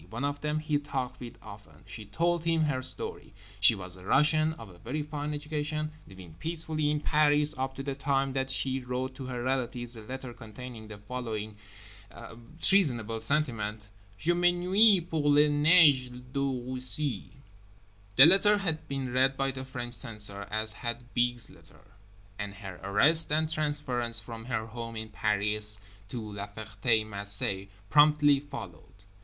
One of them he talked with often. She told him her story. She was a Russian, of a very fine education, living peacefully in Paris up to the time that she wrote to her relatives a letter containing the following treasonable sentiment: "Je m'ennuie pour les neiges de Russie." The letter had been read by the French censor, as had B.'s letter; and her arrest and transference from her home in Paris to La Ferté Macé promptly followed.